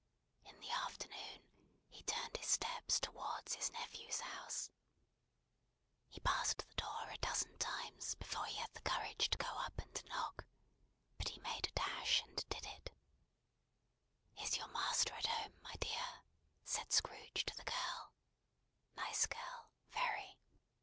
In the afternoon he turned his steps towards his nephew's house. He passed the door a dozen times, before he had the courage to go up and knock. But he made a dash, and did it: "Is your master at home, my dear?" said Scrooge to the girl. Nice girl! Very.